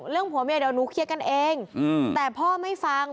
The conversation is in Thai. ผัวเมียเดี๋ยวหนูเคลียร์กันเองแต่พ่อไม่ฟัง